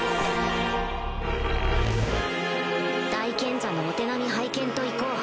大賢者のお手並み拝見と行こう